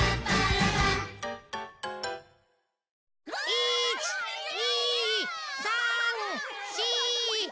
１２３４。わ！